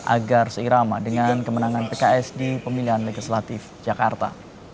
agar seirama dengan kemenangan pks di pemilihan legislatif jakarta